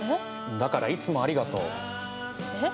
だからいつもありがとう。えっ？